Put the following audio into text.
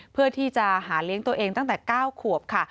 เพื่อที่จะหาเลี้ยงตัวเองตั้งแต่๙ขวบค่ะ